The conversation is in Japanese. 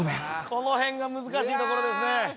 この辺が難しいところですね